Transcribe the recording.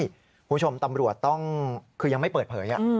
คุณผู้ชมตำรวจต้องคือยังไม่เปิดเผย